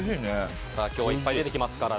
今日はいっぱい出てきますから。